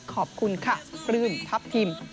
ขอบคุณค่ะปลื้มทัพทิม